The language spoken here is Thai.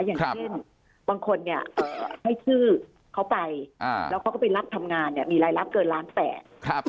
อย่างเช่นบางคนเนี่ยให้ชื่อเขาไปแล้วเขาก็ไปรับทำงานเนี่ยมีรายรับเกินล้านแปด